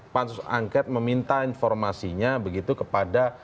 pansus angket meminta informasinya begitu kepada